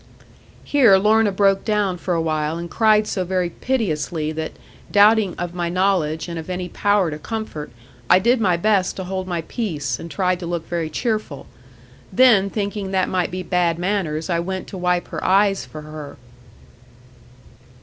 Here Lorna broke down for awhile, and cried so very piteously, that doubting of my knowledge, and of any power to comfort, I did my best to hold my peace, and tried to look very cheerful. Then thinking that might be bad manners, I went to wipe her eyes for her.